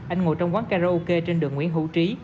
anh ngồi trong quán karaoke trên đường nguyễn hữu trí